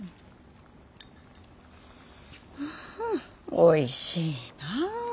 おいしいなぁ。